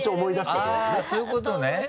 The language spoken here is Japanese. あぁそういうことね。